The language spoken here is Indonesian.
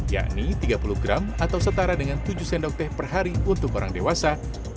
yakni tiga puluh gram atau setara dengan tujuh sendok teh per hari untuk orang dewasa